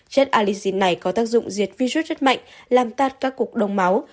chất ali này có tác dụng diệt virus rất mạnh làm tát các cục đông máu